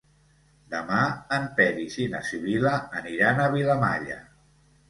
Demà en Peris i na Sibil·la aniran a Vilamalla.